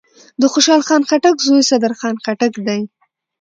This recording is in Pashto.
دخوشحال خان خټک زوی صدرخان خټک دﺉ.